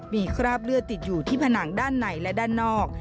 มีคราบเลือดติดอยู่ที่ผนังด้านในและด้านนอก